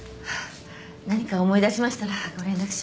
何か思い出しましたらご連絡します。